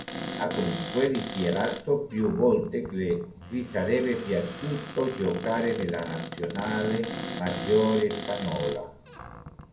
Ha comunque dichiarato più volte che gli sarebbe piaciuto giocare nella Nazionale maggiore spagnola.